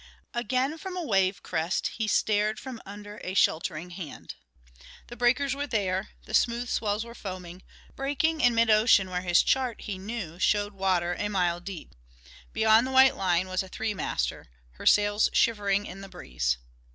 Again from a wave crest he stared from under a sheltering hand. The breakers were there the smooth swells were foaming breaking in mid ocean where his chart, he knew, showed water a mile deep. Beyond the white line was a three master, her sails shivering in the breeze.